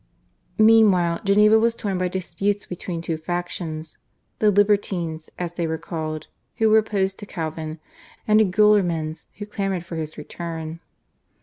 Meanwhile Geneva was torn by disputes between two factions, the Libertines as they were called, who were opposed to Calvin, and the Guillermins, who clamoured for his return.